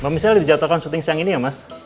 mbak michelle dijatuhkan syuting siang ini ya mas